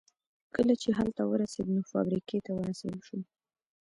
کله چې هلته ورسېد نو فابريکې ته ورسول شو.